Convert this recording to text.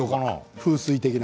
風水的な。